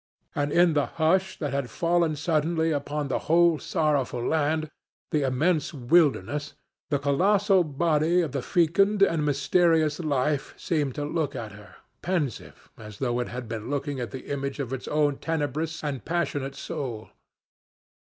And in the hush that had fallen suddenly upon the whole sorrowful land, the immense wilderness, the colossal body of the fecund and mysterious life seemed to look at her, pensive, as though it had been looking at the image of its own tenebrous and passionate soul.